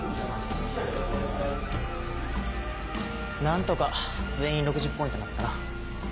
何とか全員６０ポイントになったな。